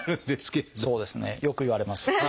そうですねよく言われます。